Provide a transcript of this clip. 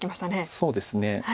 そうですね。